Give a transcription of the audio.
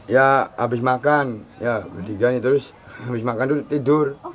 ya habis makan ya terus habis makan itu tidur